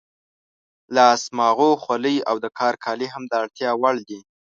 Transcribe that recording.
لاس ماغو، خولۍ او د کار کالي هم د اړتیا وړ دي.